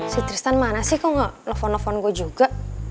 si tristan mana sih kok gak nelfon nelfon gue juga